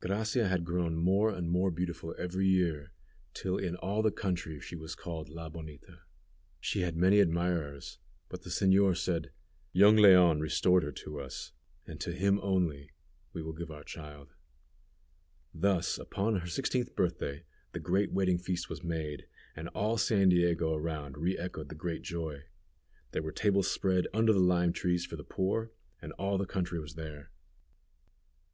Gracia had grown more and more beautiful every year, till in all the country she was called La Bonita. She had many admirers, but the señor said, "Young Leon restored her to us, and to him only will we give our child." Thus, upon her sixteenth birthday, the great wedding feast was made, and all San Diego around re echoed the great joy. There were tables spread under the lime trees for the poor, and all the country was there.